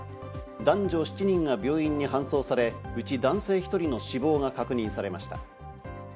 男女７人が病院に搬送され、うち男性１人の死亡が確認されました。